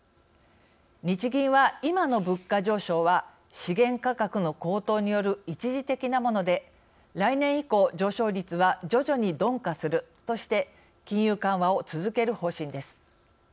日銀は「今の物価上昇は資源価格の高騰による一時的なもので、来年以降上昇率は徐々に鈍化する」として金融緩和を続ける方針です。